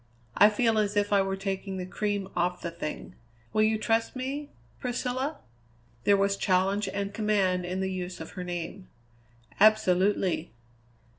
I feel as if I were taking the cream off the thing. Will you trust me Priscilla?" There was challenge and command in the use of her name. "Absolutely."